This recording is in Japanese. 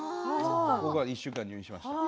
１週間入院しました。